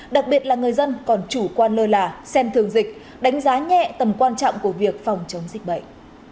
đặc biệt là người dân còn chủ quan lơ là xem thường dịch đánh giá nhẹ tầm quan trọng của việc phòng chống dịch bệnh